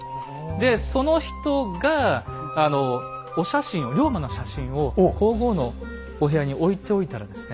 でその人がお写真を龍馬の写真を皇后のお部屋に置いておいたらですね